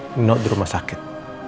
nino di rumah sakit